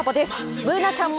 Ｂｏｏｎａ ちゃんも